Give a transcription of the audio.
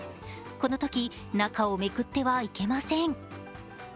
このとき、中をめくってはいけません。